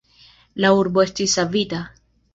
La urbo estis savita.